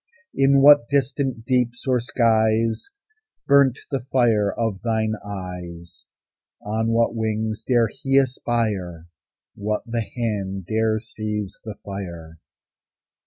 In what distant deeps or skies Burnt the fire of thine eyes? On what wings dare he aspire? What the hand dare seize the fire?